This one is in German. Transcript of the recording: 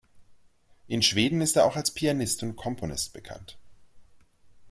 In Schweden ist er auch als Pianist und Komponist bekannt.